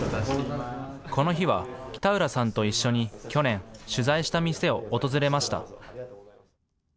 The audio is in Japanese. この日は北浦さんと一緒に去年、取材した店を訪れました。